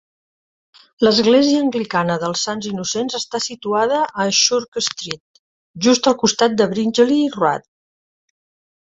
L'església anglicana dels Sants Innocents està situada a Church Street, just al costat de Bringelly Road.